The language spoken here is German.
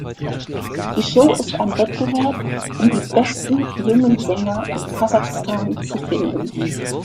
Die Show ist ein Wettbewerb, um die besten jungen Sänger in Kasachstan zu finden.